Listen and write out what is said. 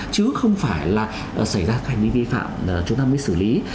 chứ không phải là xảy ra hành vi vi phạm chúng ta mới xử lý